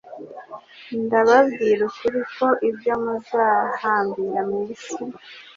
"Ndababwira ukuri ko ibyo muzahambira mu isi